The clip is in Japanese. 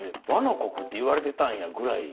倭の国って言われてたんやぐらい。